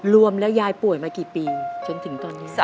รวมแล้วยายป่วยมากี่ปีจนถึงตอนนี้